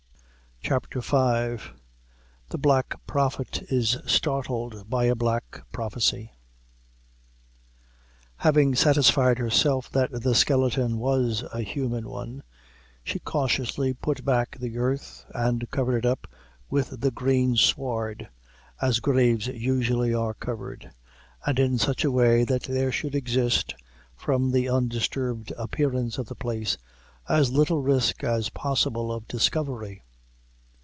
CHAPTER V. The Black Prophet is Startled by a Black Prophecy. Having satisfied herself that the skeleton was a human one, she cautiously put back the earth, and covered it up with the green sward, as graves usually are covered, and in such a way that there should exist, from the undisturbed appearance of the place, as little risk as possible of discovery.